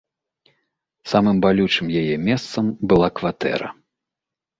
Самым балючым яе месцам была кватэра.